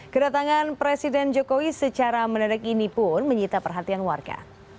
kedatangan presiden jokowi secara mendadak ini pun menyita perhatian warga